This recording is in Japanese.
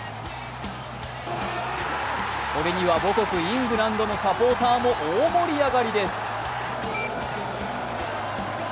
これには母国・イングランドのサポーターも大盛り上がりです。